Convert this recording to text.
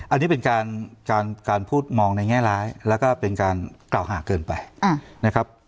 อันนี้เป็นการพูดมองในแง่ร้ายแล้วก็เป็นการกล่าวหาเกินไปนะครับ